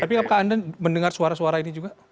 tapi apakah anda mendengar suara suara ini juga